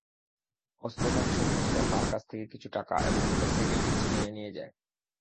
অস্ত্রধারী সন্ত্রাসীরা তাঁর কাছ থেকে কিছু টাকা এবং মোটরসাইকেলটি ছিনিয়ে নিয়ে যায়।